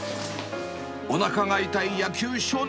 おなかが痛い野球少年。